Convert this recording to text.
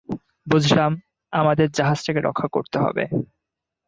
বুঝলাম, আমাদের জাহাজটাকে রক্ষা করতে হবে।